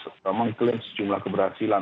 memang klaim sejumlah keberhasilan